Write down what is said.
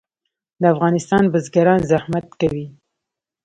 د افغانستان بزګران زحمت کوي